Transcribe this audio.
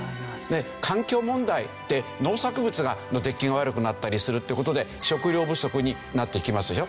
環境問題って農作物の出来が悪くなったりするって事で食料不足になってきますでしょ。